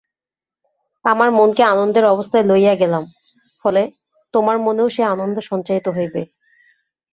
আমার মনকে আনন্দের অবস্থায় লইয়া গেলাম, ফলে তোমার মনেও সেই আনন্দ সঞ্চারিত হইবে।